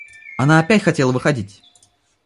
Она опять хотела выходить.